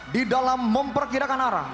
di dalam memperkirakan arah